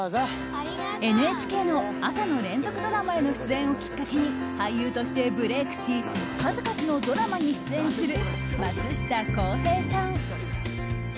ＮＨＫの朝の連続ドラマへの出演をきっかけに俳優としてブレークし数々のドラマに出演する松下洸平さん。